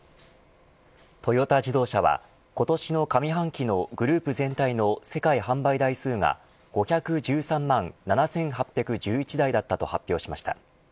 トヨタ自動車は今年の上半期のグループ全体の世界販売台数が５１３万７８１１台だったと発表しました。